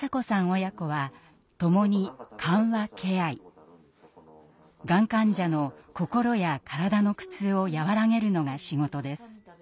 親子は共にがん患者の心や体の苦痛を和らげるのが仕事です。